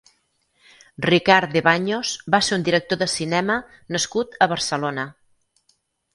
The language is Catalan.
Ricard de Baños va ser un director de cinema nascut a Barcelona.